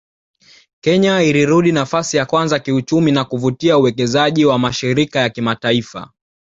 Kenya ilirudi nafasi ya kwanza kiuchumi na kuvutia uwekezaji wa mashirika ya kimataifa